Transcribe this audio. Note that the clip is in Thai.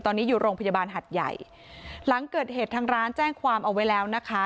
ตอนนี้อยู่โรงพยาบาลหัดใหญ่หลังเกิดเหตุทางร้านแจ้งความเอาไว้แล้วนะคะ